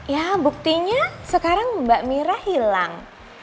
ya buktinya sekarang mbak mira hilang